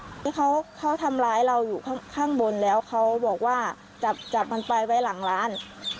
คือเขาทำร้ายเราอยู่ข้างบนแล้วเขาบอกว่าจับจับมันไปไว้หลังร้าน